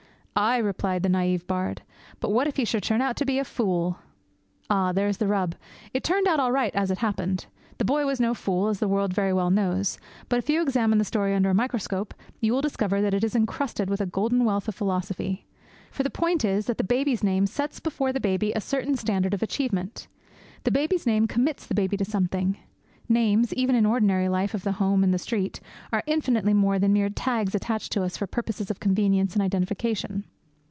'Aye!' replied the naïve bard, 'but what if he should turn out to be a fool?' Ah, there's the rub. It turned out all right, as it happened. The boy was no fool, as the world very well knows; but if you examine the story under a microscope you will discover that it is encrusted with a golden wealth of philosophy. For the point is that the baby's name sets before the baby a certain standard of achievement. The baby's name commits the baby to something. Names, even in the ordinary life of the home and the street, are infinitely more than mere tags attached to us for purposes of convenience and identification.